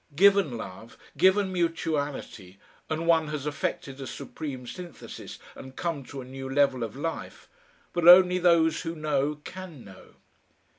Given love given mutuality, and one has effected a supreme synthesis and come to a new level of life but only those who know can know.